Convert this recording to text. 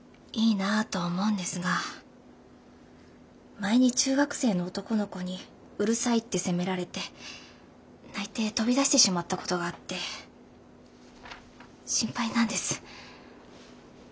前に中学生の男の子にうるさいって責められて泣いて飛び出してしまったことがあって心配なんです。